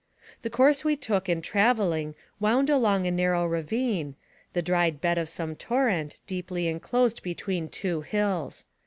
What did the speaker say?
The course we took in traveling wound along a nar row ravine, the dried bed of some torrent, deeply in closed between two hills.